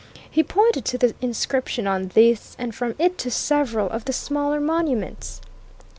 He pointed to the inscription on this, and from it to several of the smaller monuments.